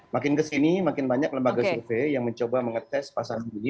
makin ke sini makin banyak lembaga survei yang mencoba mengetes pasang begini